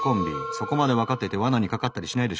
そこまで分かっていて罠にかかったりしないでしょうね？